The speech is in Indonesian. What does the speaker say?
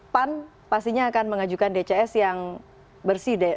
pan pastinya akan mengajukan dcs yang bersih